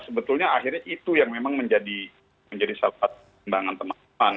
sebetulnya akhirnya itu yang memang menjadi salah satu pertimbangan teman teman